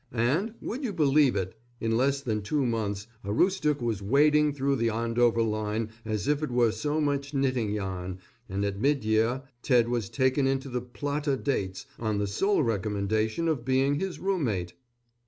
And, would you believe it, in less than two months Aroostook was wading through the Andover line as if it were so much knitting yarn, and at mid year Ted was taken into the Plata Dates on the sole recommendation of being his roommate.